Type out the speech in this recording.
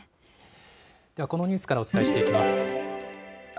ではこのニュースからお伝えしていきます。